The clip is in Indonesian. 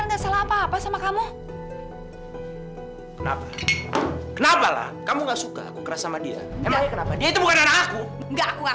ngapain sih pakai kesini segala